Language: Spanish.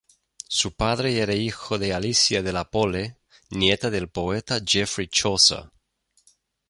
Su padre era hijo de Alicia de la Pole, nieta del poeta Geoffrey Chaucer.